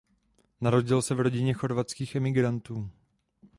Narodil se v rodině chorvatských emigrantů.